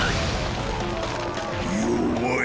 弱い！